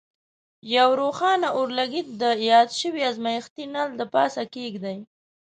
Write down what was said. یو روښانه اورلګیت د یاد شوي ازمیښتي نل له پاسه کیږدئ.